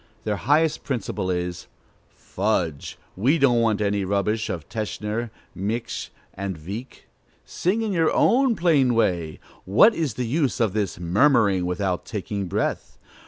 Their highest principle is: "Fudge! we don't want any rubbish of Teschner, Miksch, and Wieck. Sing in your own plain way: what is the use of this murmuring without taking breath?